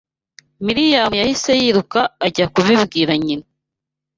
Miriyamu yahise yiruka ajya kubibwira nyina